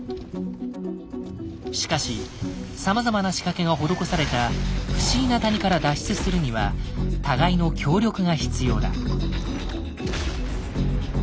しかしさまざまな仕掛けが施された不思議な谷から脱出するには互いの協力が必要だ。